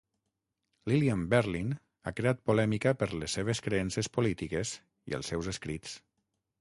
Lillian Berlin ha creat polèmica per les seves creences polítiques i els seus escrits.